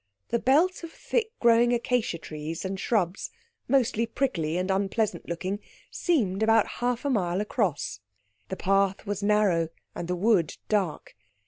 The belt of thick growing acacia trees and shrubs—mostly prickly and unpleasant looking—seemed about half a mile across. The path was narrow and the wood dark.